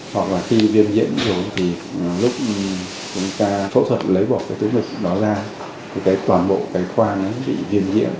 hoặc là khi viêm nhiễm rồi thì lúc chúng ta phẫu thuật lấy bỏ cái túi ngực đó ra thì toàn bộ cái khoang bị viêm nhiễm